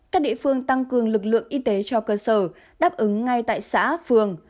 các địa phương tăng cường lực lượng y tế cho cơ sở đáp ứng ngay tại xã phường